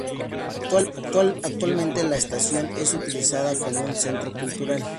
Actualmente la estación es utilizada como un centro cultural.